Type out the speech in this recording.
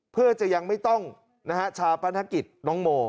เพื่อจะยังไม่ต้องชาปนกิจน้องโม